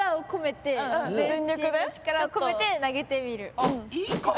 あっいいかも。